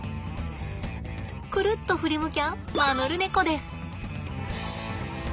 くるっと振り向きゃマヌルネコです。